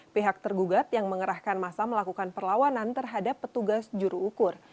pihak tergugat yang mengerahkan masa melakukan perlawanan terhadap petugas juru ukur